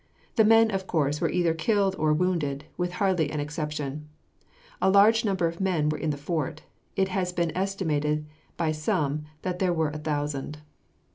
The men, of course, were either killed or wounded, with hardly an exception. A large number of men were in the fort. It has been estimated by some that there were a thousand.